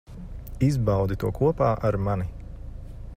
Izbaudi to kopā ar mani.